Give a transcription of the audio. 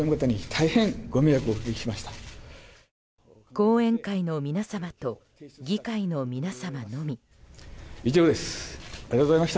後援会の皆様と議会の皆様のみ。